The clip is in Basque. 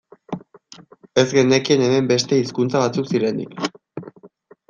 Ez genekien hemen beste hizkuntza batzuk zirenik.